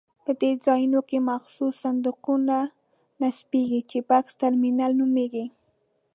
په دې ځایونو کې مخصوص صندوقونه نصبېږي چې بکس ترمینل نومېږي.